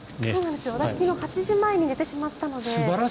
私、昨日８時前に寝てしまったので。